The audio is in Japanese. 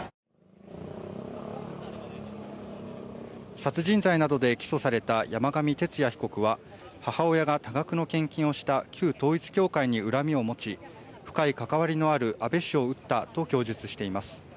殺人罪などで起訴された山上徹也被告は母親が多額の献金をした旧統一教会に恨みを持ち深い関わりのある安倍氏を撃ったと供述しています。